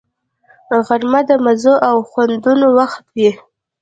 غرمه د مزو او خوندونو وخت وي